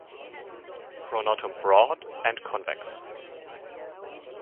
Pronotum broad and convex.